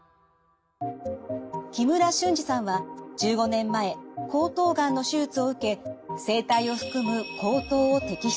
木村俊治さんは１５年前喉頭がんの手術を受け声帯を含む